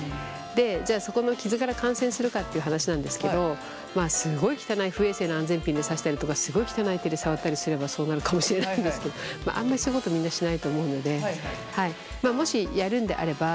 じゃあそこの傷から感染するかっていう話なんですけどまあすごい汚い不衛生な安全ピンで刺したりとかすごい汚い手で触ったりすればそうなるかもしれないんですけどあんまりそういうことみんなしないと思うので。